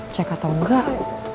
cek atau enggak